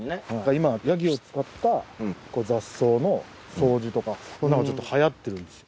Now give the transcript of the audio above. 今ヤギを使った雑草の掃除とかちょっとはやってるんですよ。